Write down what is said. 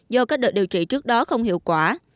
do cách được điều trị trước đó không hiệu quả